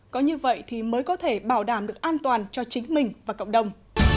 có như vậy thì mới có thể bảo đảm được an toàn cho chính mình và cộng đồng